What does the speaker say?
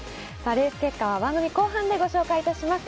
レース結果は番組後半でご紹介します。